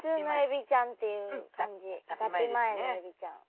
脱皮前のエビちゃん。